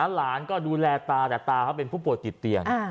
หลานก็ดูแลตาแต่ตาเขาเป็นผู้ป่วยติดเตียง